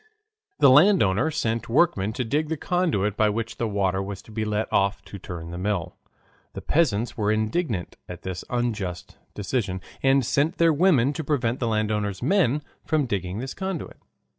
The landowner sent workmen to dig the conduit by which the water was to be let off to turn the mill. The peasants were indignant at this unjust decision, and sent their women to prevent the landowner's men from digging this conduit.